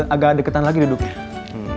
agak deketan lagi duduknya